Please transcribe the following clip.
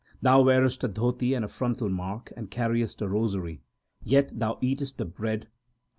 Thou wearest a dhoti 2 and a frontal mark, and earnest a rosary, yet thou eatest the bread of malechhas.